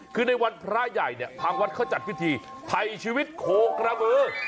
คือในวันพระใหญ่เนี่ยทางวัดเขาจัดพิธีไถ่ชีวิตโคกระบือ